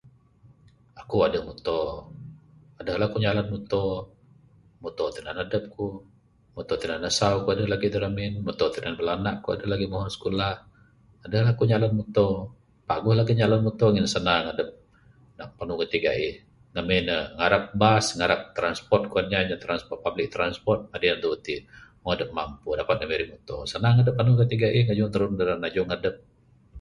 Aku aduh muto. Aduhla ku nyalan muto. Muto tinan adup ku, muto tinan asau ku aduh lagi da ramin. Muto tinan bala anak ku muhun sikulah. Aduhla ku nyalah muto. Paguh lagih nyalan muto. Ngin sanang adup ne nak panu gati gaih. Ngamin ne ngarap bas, ngarap transport kuan inya. Public transport madi andu iti. Wang adup mampu dapat dup mirih muto sanang adup panu gati gaih ngajung tarun da ra najung adep.